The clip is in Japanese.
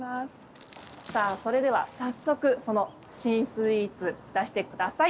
さあ、それでは早速その新スイーツ、出してください。